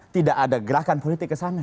tidak ada gerakan politik ke sana